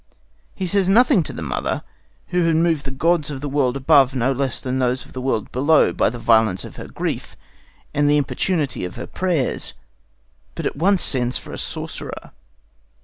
He says nothing to the mother, who had moved the gods of the world above no less than those of the world below by the violence of her grief and the importunity of her prayers, but at once sends for a sorcerer.